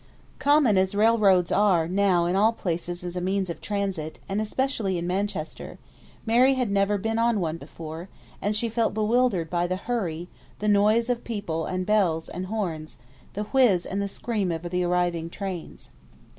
Common as railroads are now in all places as a means of transit, and especially in Manchester, Mary had never been on one before; and she felt bewildered by the hurry, the noise of people, and bells, and horns; the whiz and the scream of the arriving trains.